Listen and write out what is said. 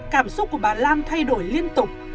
cảm xúc của bà lan thay đổi liên tục